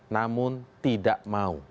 namun tidak mau